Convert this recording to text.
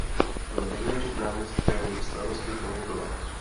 Byl rovněž náměstkem starosty Chomutova.